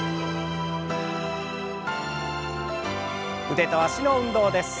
腕と脚の運動です。